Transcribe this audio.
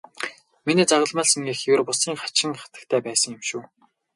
Миний загалмайлсан эх ер бусын хачин хатагтай байсан юм шүү.